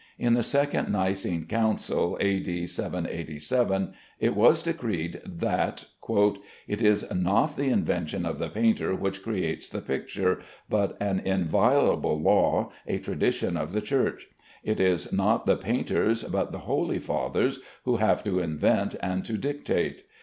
In the second Nicene Council, A.D. 787, it was decreed that: "It is not the invention of the painter which creates the picture, but an inviolable law, a tradition of the Church. It is not the painters, but the holy fathers, who have to invent and to dictate.